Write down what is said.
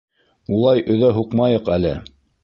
Улай өҙә һуҡмайыҡ әле...